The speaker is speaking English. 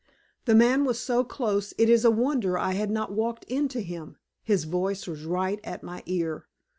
The man was so close it is a wonder I had not walked into him; his voice was right at my ear.